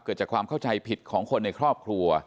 เกิดจากความเข้าใจผิดของคนในครอบครัว